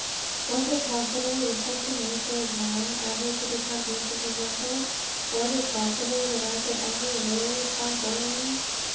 Was it possible, with such a nature as mine, ever to become patient and gentle? Was it possible that I could ever really stop worrying?